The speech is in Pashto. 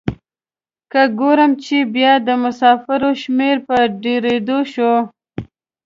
که ګورم چې بیا د مسافرو شمیر په ډیریدو شو.